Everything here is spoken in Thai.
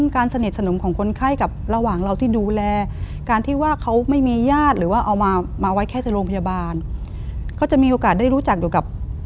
ขอใช้ชื่อว่าคุณศักดิ์นะคะ